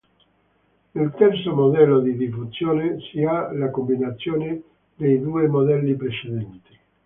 Nel terzo modello di diffusione, si ha la combinazione dei due modelli precedenti.